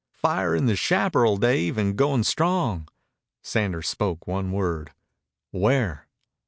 "Fire in the chaparral, Dave, and going strong." Sanders spoke one word. "Where?"